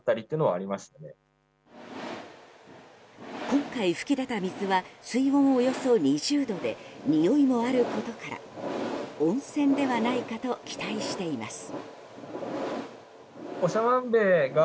今回噴き出た水は水温およそ２０度でにおいもあることから温泉ではないかと期待しています。